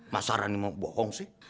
masa rani mau bohong sih